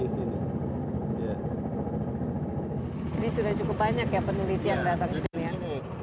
jadi sudah cukup banyak ya penelitian datang disini ya